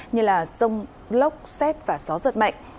như là rông lốc xét và gió giật mạnh